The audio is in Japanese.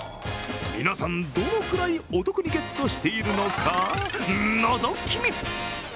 皆さん、どのくらいお得にゲットしているのか、のぞき見！